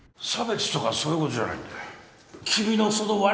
差別とかそういうことじゃないんだ